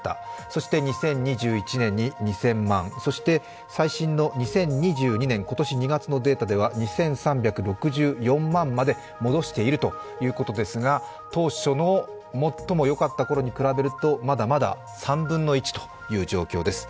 そして２０２１年に２０００万、そして最新の２０２２年、今年２月のデータでは２３６４万まで戻しているということですが、当初の最も良かったころに比べるとまだまだ、３分の１という状況です。